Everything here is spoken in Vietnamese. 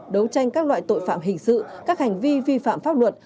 đấu tranh các loại tội phạm hình sự các hành vi vi phạm pháp luật